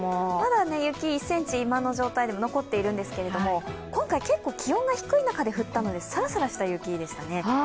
まだ雪１ｃｍ今の状態でも残っているんですけれども、今回、結構気温が低い中で降ったのでさらさらした雪でしたね。